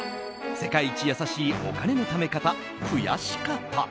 「世界一やさしいお金の貯め方増やし方」。